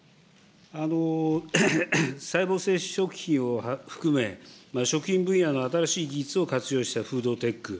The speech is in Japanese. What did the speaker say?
細胞性食品を含め、食品分野の新しい技術を活用したフードテック。